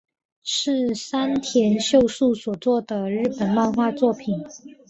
是山田秀树所作的日本漫画作品。